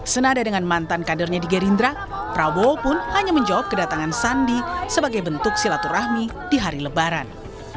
senada dengan mantan kadernya di gerindra prabowo pun hanya menjawab kedatangan sandi sebagai bentuk silaturahmi di hari lebaran